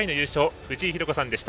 藤井寛子さんでした。